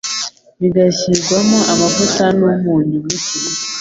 bigashyirwamo amavuta n’umunyu muke,